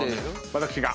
私が。